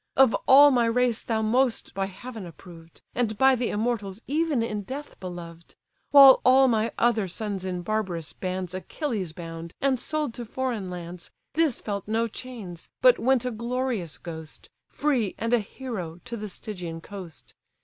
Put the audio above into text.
Of all my race thou most by heaven approved, And by the immortals even in death beloved! While all my other sons in barbarous bands Achilles bound, and sold to foreign lands, This felt no chains, but went a glorious ghost, Free, and a hero, to the Stygian coast.